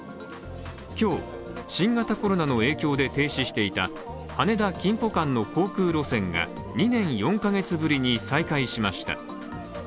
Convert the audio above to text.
今日、新型コロナの影響で停止していた羽田−キンポ間の航空路線が２年４カ月ぶりに再開しました。